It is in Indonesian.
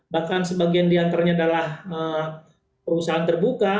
bahkan sebagian diantaranya adalah perusahaan terbuka